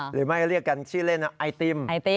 หรือไม่เรียกกันชื่อเล่นนะไอติม